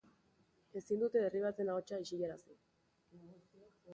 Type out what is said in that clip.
Ezin dute herri baten ahotsa isilarazi.